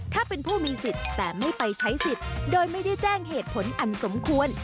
ถ้าเป็นผู้มีสิทธิ์แต่ไม่ไปใช้สิทธิ์โดยไม่ได้แจ้งเหตุผลอันสมควร